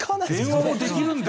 電話もできるんだ！